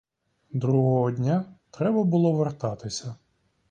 Другого дня треба було вертатися.